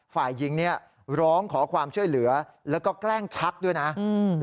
ฝ่ายหญิงเนี้ยร้องขอความช่วยเหลือแล้วก็แกล้งชักด้วยนะอืม